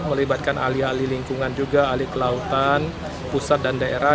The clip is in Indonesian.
melibatkan alih alih lingkungan juga alih kelautan pusat dan daerah